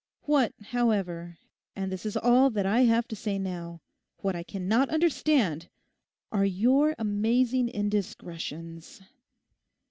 What, however, and this is all that I have to say now, what I cannot understand are your amazing indiscretions.